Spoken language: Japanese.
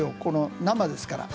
生ですから。